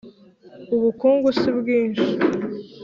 ubukungu si bwinshi